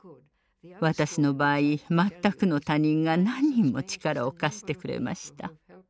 私の場合全くの他人が何人も力を貸してくれました。